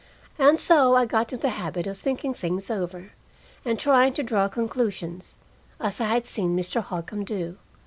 And so I got in the habit of thinking things over, and trying to draw conclusions, as I had seen Mr. Holcombe do.